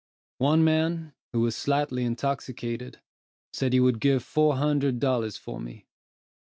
One man, who was slightly intoxicated, said he would give four hundred dollars for me.